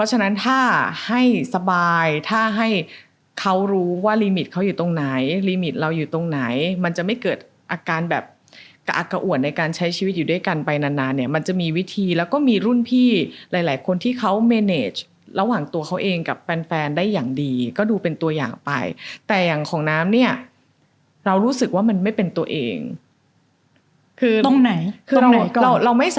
ฉะนั้นถ้าให้สบายถ้าให้เขารู้ว่าลีมิตเขาอยู่ตรงไหนลีมิตเราอยู่ตรงไหนมันจะไม่เกิดอาการแบบกะอักกะอ่วนในการใช้ชีวิตอยู่ด้วยกันไปนานนานเนี่ยมันจะมีวิธีแล้วก็มีรุ่นพี่หลายหลายคนที่เขาเมเนจระหว่างตัวเขาเองกับแฟนได้อย่างดีก็ดูเป็นตัวอย่างไปแต่อย่างของน้ำเนี่ยเรารู้สึกว่ามันไม่เป็นตัวเองคือตรงไหนคือตรงไหน